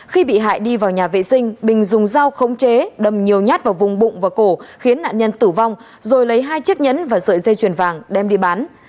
khi bị hại đi vào nhà vệ sinh bình dùng dao khống chế đâm nhiều nhát vào vùng bụng và cổ khiến nạn nhân tử vong rồi lấy hai chiếc nhẫn và sợi dây chuyền vàng đem đi bán